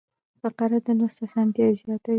فقره د لوست اسانتیا زیاتوي.